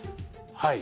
はい。